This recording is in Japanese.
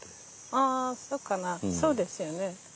ああそうかなそうですよね。